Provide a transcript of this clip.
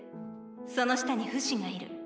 その下にフシがいる。